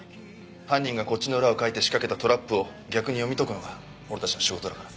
犯人がこっちの裏をかいて仕掛けたトラップを逆に読み解くのが俺たちの仕事だから。